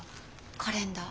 カレンダー。